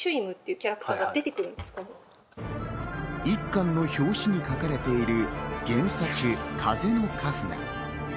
１巻の表紙に書かれている原作『風のカフナ』。